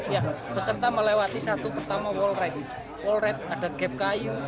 ya peserta melewati satu pertama wallret walret ada gap kayu